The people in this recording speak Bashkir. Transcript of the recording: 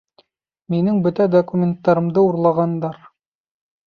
Минең бөтә документтарымды урлағандар